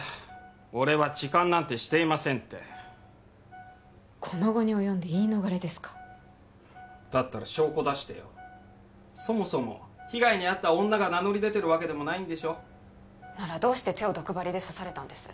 俺は痴漢なんてしていませんってこの期に及んで言い逃れですかだったら証拠出してよそもそも被害に遭った女が名乗り出てるわけでもないんでしょならどうして手を毒針で刺されたんです？